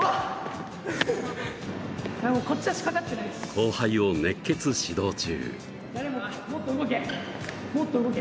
後輩を熱血指導中。